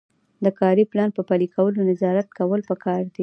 د کاري پلان په پلي کولو نظارت کول پکار دي.